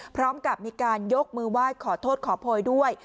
พร้อมกับมีการยกมือไหว้ขอโทษขอโพยด้วย